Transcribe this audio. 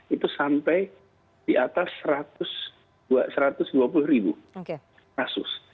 itu sampai di atas satu ratus dua puluh ribu kasus